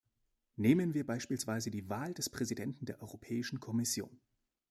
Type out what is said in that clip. Nehmen wir beispielsweise die Wahl des Präsidenten der Europäischen Kommission.